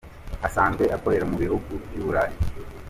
Asanzwe akorera mu bihugu by’u Burayi.